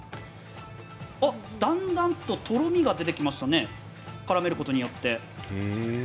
だんだんととろみが出てきましたね、絡めることによって。